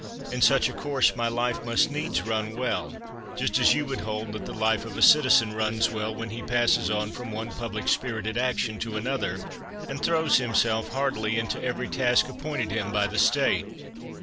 In such a course my life must needs run well, just as you would hold that the life of a citizen runs well when he passes on from one public spirited action to another, and throws himself heartily into every task appointed him by the State.